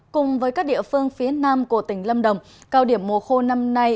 cùng với các địa phương phía nam của tỉnh lâm đồng cao điểm mùa khô năm nay